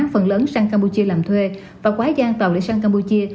phần lớn sang campuchia làm thuê và quái gian tàu lại sang campuchia